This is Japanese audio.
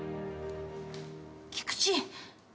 菊池。